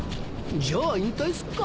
じゃあ引退すっか？